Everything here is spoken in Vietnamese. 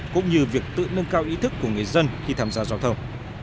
cũng như việc tự nâng cao ý thức của người dân khi tham gia giao thông